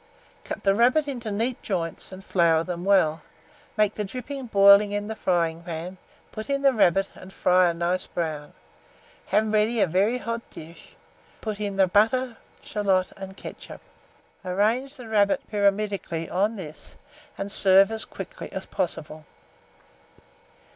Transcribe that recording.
Cut the rabbit into neat joints, and flour them well; make the dripping boiling in a fryingpan, put in the rabbit, and fry it a nice brown. Have ready a very hot dish, put in the butter, shalot, and ketchup; arrange the rabbit pyramidically on this, and serve as quickly as possible.